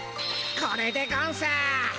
これでゴンス。